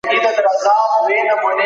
خیر الکلام ما قل و دل.